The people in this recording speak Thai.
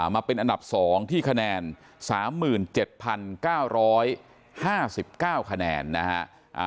มาเป็นอันดับ๒ที่คะแนน๓๗๙๕๙คะแนนนะฮะ